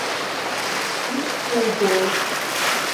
Исҳәо убоит.